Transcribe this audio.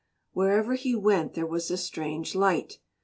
Wherever he went there was a strange light.